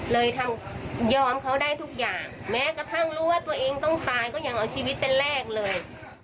เลยทั้งยอมเขาได้ทุกอย่างแม้กระทั่งรู้ว่าตัวเองต้องตายก็ยังเอาชีวิตเป็นแรกเลย